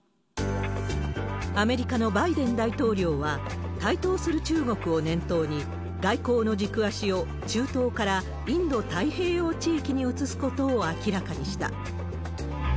アメリカのバイデン大統領は、台頭する中国を念頭に外交の軸足を中東からインド太平洋地域に移すことを明らかにした。